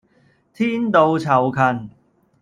天道酬勤